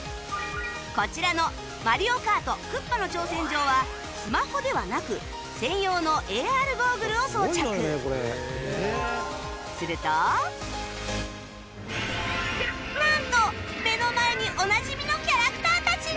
こちらの「マリオカートクッパの挑戦状」はスマホではなく専用のなんと目の前におなじみのキャラクターたちが